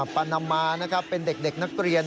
ปานามานะครับเป็นเด็กนักเรียน